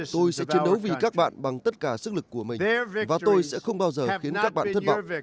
tôi sẽ chiến đấu vì các bạn bằng tất cả sức lực của mình và tôi sẽ không bao giờ khiến các bạn thất vọng